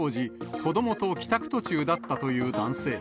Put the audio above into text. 事件当時、子どもと帰宅途中だったという男性。